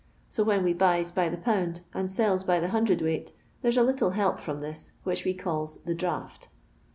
So when we buys by the pound, and sells by the hundredweight, there's a little help from this, which we calls the draught.